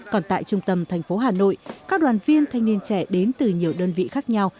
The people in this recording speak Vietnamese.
còn tại trung tâm thành phố hà nội các đoàn viên thanh niên trẻ đến từ nhiều đơn vị khác nhau